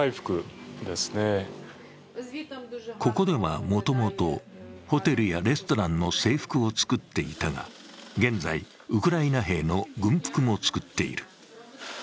ここではもともとホテルやレストランの制服を作っていたが現在、ウクライナ兵の軍服も作っている。